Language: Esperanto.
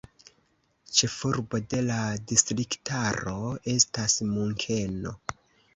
Ĉefurbo de la distriktaro estas Munkeno.